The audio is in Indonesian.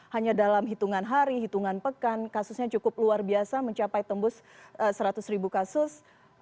hanya dalam hitungan hari hitungan pekan kasusnya cukup luar biasa mencapai tembus seratus ribu kasus